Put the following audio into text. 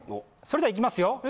それではいきますよ